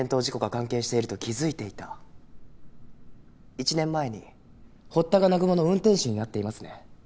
１年前に堀田が南雲の運転手になっていますね。